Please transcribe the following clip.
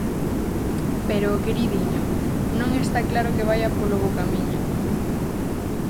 Pero, queridiño, non está claro que vaia polo bo camiño.